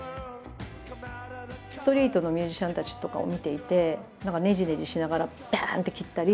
ストリートのミュージシャンたちとかを見ていて何かねじねじしながらバンって切ったり。